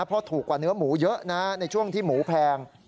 เพราะถูกกว่าเนื้อหมูเยอะนะในช่วงที่หมูแพง